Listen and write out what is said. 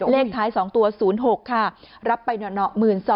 เลขไทย๒ตัว๐๖ค่ะรับไปหนอหนอ